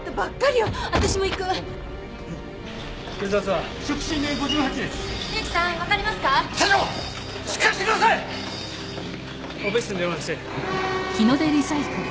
オペ室に電話して。